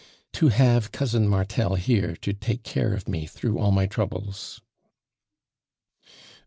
*'To have cousin Martel here to take care of me through all my troubles?"